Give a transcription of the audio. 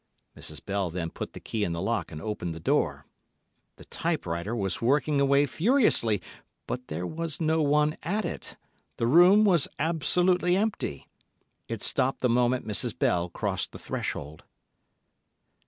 Mrs. Bell then put the key in the lock and opened the door. The typewriter was working away furiously, but there was no one at it, the room was absolutely empty. It stopped the moment Mrs. Bell crossed the threshold.